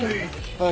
はい。